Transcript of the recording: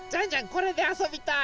これであそびたい！